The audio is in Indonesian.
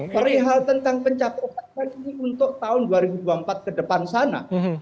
perihal tentang pencapotan kami untuk tahun dua ribu dua puluh empat kedepan sana